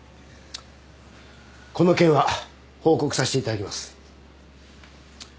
この件は報告させていただきます。